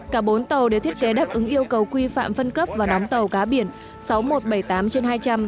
cả bốn tàu đều thiết kế đáp ứng yêu cầu quy phạm phân cấp và đóng tàu cá biển sáu nghìn một trăm bảy mươi tám trên hai trăm linh